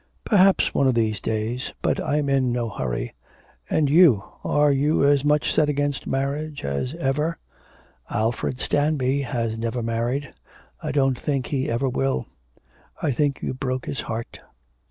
'Perhaps, one of these days, but I'm in no hurry. And you, are you as much set against marriage as ever? Alfred Stanby has never married, I don't think he ever will. I think you broke his heart.'